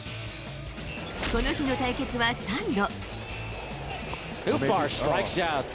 この日の対決は３度。